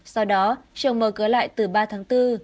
sau đó trồng mở cửa lại từ ba tháng bốn